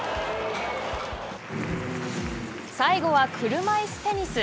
最後は車いすテニス。